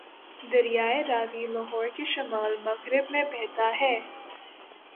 دریائے راوی لاہور کے شمال مغرب میں بہتا ہے